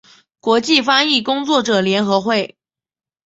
国际翻译工作者联合会